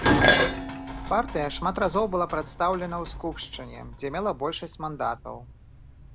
Партыя шмат разоў была прадстаўлена ў скупшчыне, дзе мела большасць мандатаў.